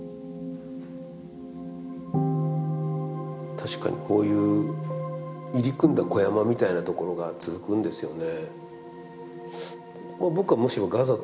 確かにこういう入り組んだ小山みたいなところが続くんですよね。